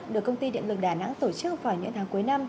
được công ty điện lực đà nẵng tổ chức vào những tháng cuối năm